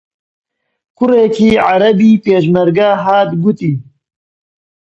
کوڕێکی عەرەبی پێشمەرگە هات گوتی: